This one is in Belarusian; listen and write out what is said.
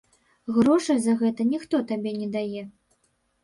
Грошай за гэта ніхто табе не дае.